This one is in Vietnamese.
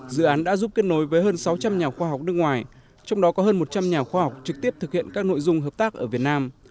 dự án đã giúp kết nối với hơn sáu trăm linh nhà khoa học nước ngoài trong đó có hơn một trăm linh nhà khoa học trực tiếp thực hiện các nội dung hợp tác ở việt nam